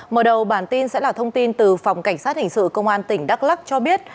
mở đầu bản tin sẽ là thông tin từ phòng cảnh sát hình sự công an tỉnh đắk lắc cho biết